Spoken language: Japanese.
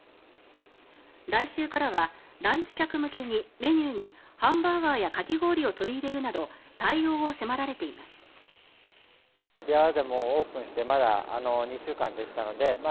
来週からはランチ客向けにメニューにハンバーガーやかき氷を取り入れるなど対応を迫られています。